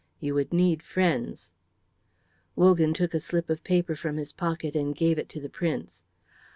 You would need friends." Wogan took a slip of paper from his pocket and gave it to the Prince.